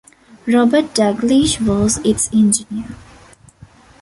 Robert Daglish was its engineer.